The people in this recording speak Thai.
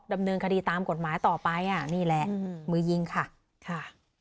ดำเนินคดีตามกฎหมายต่อไปอ่ะนี่แหละมือยิงค่ะค่ะ